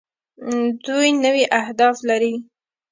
دوی نوي اهداف لري.